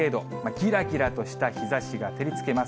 ぎらぎらとした日ざしが照りつけます。